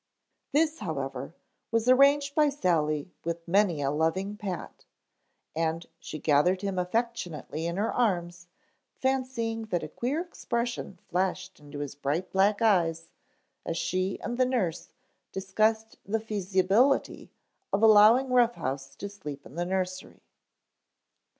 This, however, was arranged by Sally with many a loving pat, and she gathered him affectionately in her arms, fancying that a queer expression flashed into his bright black eyes as she and the nurse discussed the feasibility of allowing Rough House to sleep in the nursery.